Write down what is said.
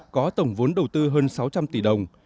có tổng vốn đầu tư hơn sáu trăm linh tỷ đồng